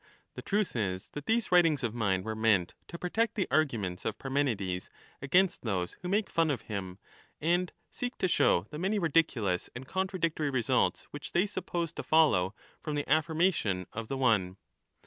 The truth is, that these writings of mine were meant to protect the arguments of Parmenides against those who make fun of him and seek to show the many ridiculous and contradictory results which they suppose to follow from the affirmation of the one.